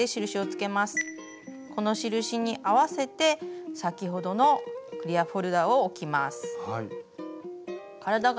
この印に合わせて先ほどのクリアホルダーを置きます。